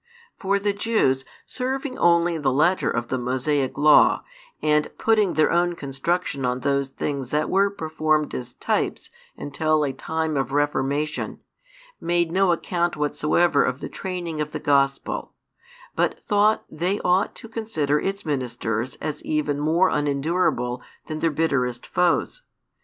For the Jews, serving only the letter of the Mosaic Law, and putting their own construction on those things that were performed as types until a time of reformation, made no account whatsoever of the training of the Gospel, but thought they ought to consider its ministers as even more unendurable than their bitterest foes.